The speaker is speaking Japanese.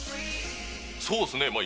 そうっすね。